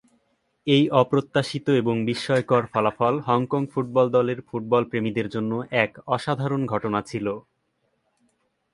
এই অপ্রত্যাশিত এবং বিস্ময়কর ফলাফল, হংকং ফুটবল দলের ফুটবল প্রেমীদের জন্য এক অসাধারণ ঘটনা ছিল।